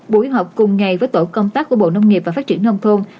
buổi họp cùng ngày với tổ công tác của bộ nông nghiệp và phát triển nông thôn